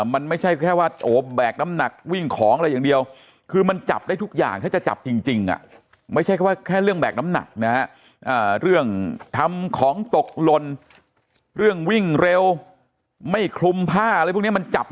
มันไม่ใช่แค่ว่าแบกน้ำหนักวิ่งของอะไรอย่างเดียวคือมันจับได้ทุกอย่างถ้าจะจับจริงไม่ใช่ว่าแค่เรื่องแบกน้ำหนักนะฮะ